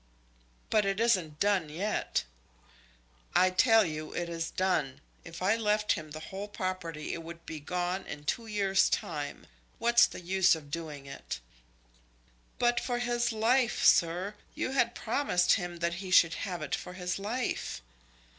"But it isn't done yet?" "I tell you it is done. If I left him the whole property it would be gone in two years' time. What's the use of doing it?" "But for his life, sir! You had promised him that he should have it for his life."